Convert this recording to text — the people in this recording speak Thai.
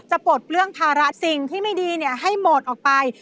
ปลดเปลื้องภาระสิ่งที่ไม่ดีให้หมดออกไป